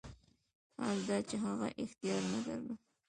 حال دا چې هغه اختیار نه درلود.